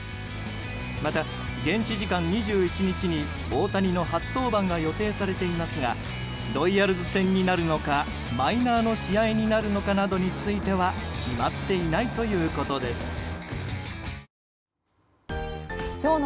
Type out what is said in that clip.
また、現地時間２１日に大谷の初登板が予定されていますがロイヤルズ戦になるのかマイナーの試合になるのかなどについては決まっていないということです。